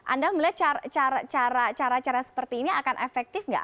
anda melihat cara cara seperti ini akan efektif nggak